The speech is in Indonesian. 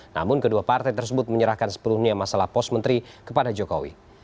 namun kedua partai tersebut menyerahkan sepenuhnya masalah pos menteri kepada jokowi